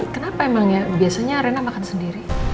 kok disuapin sama andi